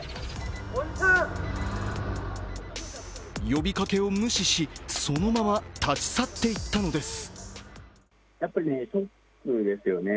呼びかけを無視しそのまま立ち去っていったのです。